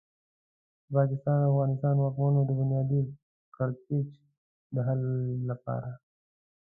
د پاکستان او افغانستان واکمنو د بنیادي کړکېچ د حل لپاره.